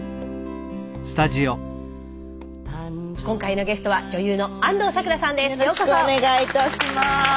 今回のゲストは女優の安藤サクラさんです。